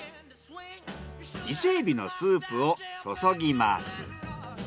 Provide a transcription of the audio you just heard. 伊勢海老のスープを注ぎます。